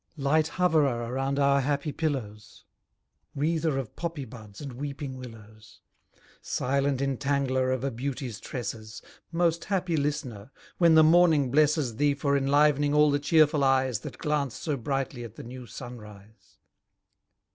Light hoverer around our happy pillows! Wreather of poppy buds, and weeping willows! Silent entangler of a beauty's tresses! Most happy listener! when the morning blesses Thee for enlivening all the cheerful eyes That glance so brightly at the new sun rise.